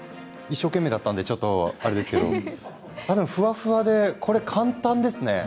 一生懸命だったんでちょっとあれですけれどふわふわで、これ簡単ですね。